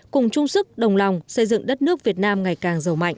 cùng chung sức đồng lòng xây dựng đất nước việt nam ngày càng giàu mạnh